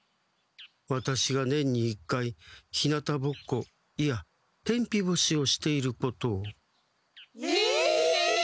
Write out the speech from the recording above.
ワタシが年に一回ひなたぼっこいや天日干しをしていることを。え！？